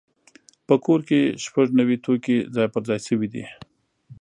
په کور کې شپږ نوي توکي ځای پر ځای شوي دي.